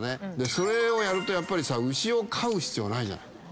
それをやるとやっぱりさ牛を飼う必要ないじゃない。